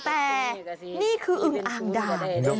แต่นี่คืออึงอ่างดาย